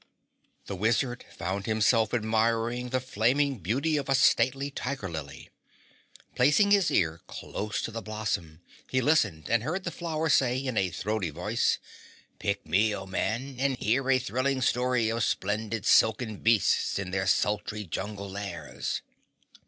The Wizard found himself admiring the flaming beauty of a stately tiger lily. Placing his ear close to the blossom, he listened and heard the flower say in a throaty voice, "Pick me, O Man, and hear a thrilling story of splendid silken beasts in their sultry jungle lairs."